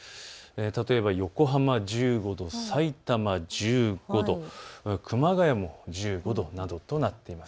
例えば横浜１５度、さいたま１５度、熊谷も１５度などとなっています。